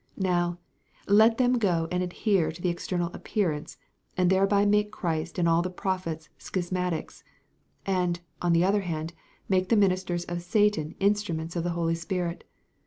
Now, let them go and adhere to the external appearance, and thereby make Christ and all the prophets schismatics, and, on the other hand, make the ministers of Satan instruments of the Holy Spirit.